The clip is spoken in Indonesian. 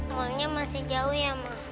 mallnya masih jauh ya ma